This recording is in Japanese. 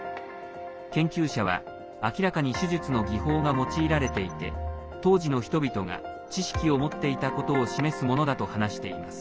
研究者は、明らかに手術の技法が用いられていて当時の人々が知識を持っていたことを示すものだと話しています。